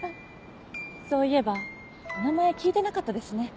そういえばお名前聞いてなかったです